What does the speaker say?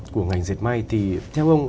của ngành diệt may thì theo ông